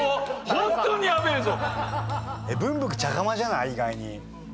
ホントにヤベえぞ！